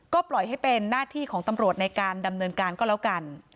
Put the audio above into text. ก็ปล่อยให้เป็นหน้าที่ของตำรวจในการดำเนินการก็แล้วกัน